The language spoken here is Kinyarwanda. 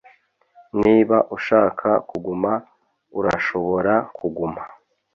Niba ushaka kuguma urashobora kuguma